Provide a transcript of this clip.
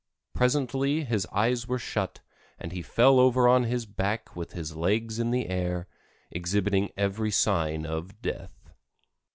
Presently his eyes were shut and he fell over on his back with his legs in the air, exhibiting every sign of death.